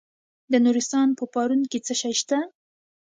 د نورستان په پارون کې څه شی شته؟